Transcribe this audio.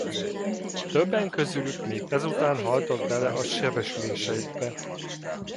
Többen közülük még ezután haltak bele a sebesüléseikbe.